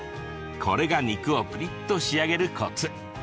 これが肉をプリっと仕上げるコツ。